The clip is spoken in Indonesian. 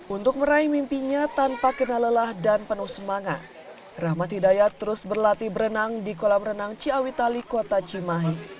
untuk meraih mimpinya tanpa kena lelah dan penuh semangat rahmat hidayat terus berlatih berenang di kolam renang ciawitali kota cimahi